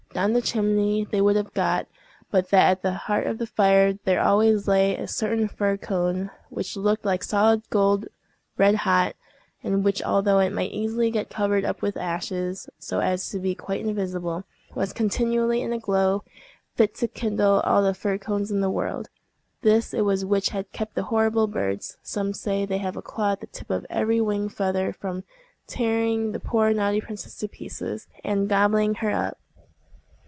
Down the chimney they would have got, but that at the heart of the fire there always lay a certain fir cone, which looked like solid gold red hot, and which, although it might easily get covered up with ashes, so as to be quite invisible, was continually in a glow fit to kindle all the fir cones in the world; this it was which had kept the horrible birds—some say they have a claw at the tip of every wing feather—from tearing the poor naughty princess to pieces, and gobbling her up.